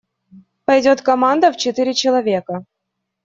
Пойдет команда в четыре человека.